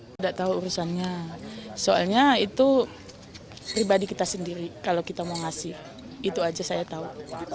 tidak tahu urusannya soalnya itu pribadi kita sendiri kalau kita mau ngasih itu aja saya tahu